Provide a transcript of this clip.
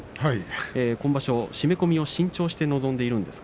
今場所、締め込みを新調して臨んでいます。